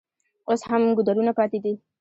اوس هم ګودرونه پاتې دي.